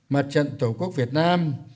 mặt trận tổ quốc việt nam